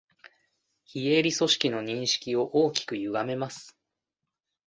非営利組織の認識を大きくゆがめます